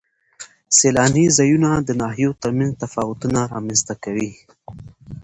سیلاني ځایونه د ناحیو ترمنځ تفاوتونه رامنځ ته کوي.